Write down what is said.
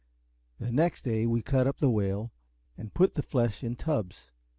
The next day we cut up the whale, and put the flesh in tubs.